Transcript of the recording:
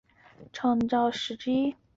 马寿华是中国民主促进会的创建者之一。